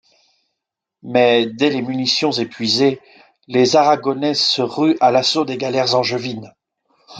Mais dès les munitions épuisées, les Aragonais se ruent à l'assaut des galères angevines.